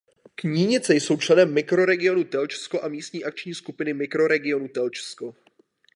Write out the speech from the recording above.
Knínice jsou členem Mikroregionu Telčsko a místní akční skupiny Mikroregionu Telčsko.